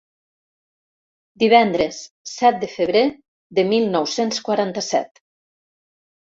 Divendres, set de febrer de mil nou-cents quaranta-set.